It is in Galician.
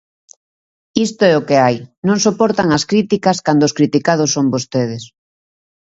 Isto é o que hai, non soportan as críticas cando os criticados son vostedes.